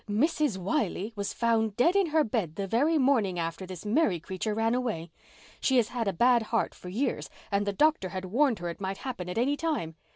"Mrs. Wiley was found dead in her bed the very morning after this Mary creature ran away. She has had a bad heart for years and the doctor had warned her it might happen at any time.